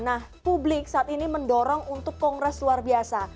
nah publik saat ini mendorong untuk kongres luar biasa